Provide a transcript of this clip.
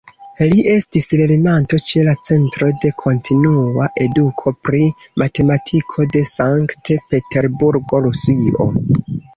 Li estis lernanto ĉe la "Centro de Kontinua Eduko pri Matematiko" de Sankt-Peterburgo, Rusio.